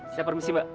saya permisi mbak